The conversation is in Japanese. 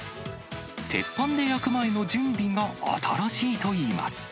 鉄板で焼く前の準備が新しいといいます。